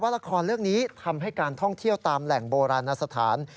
ละครเรื่องนี้ทำให้การท่องเที่ยวตามแหล่งโบราณสถาน